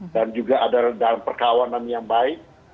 dan juga ada dalam perkawanan yang baik